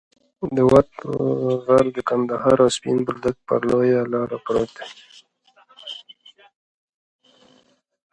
د وط غر د قندهار او سپین بولدک پر لویه لار پروت دی.